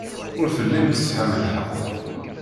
Ur tellim tesɛam lḥeqq.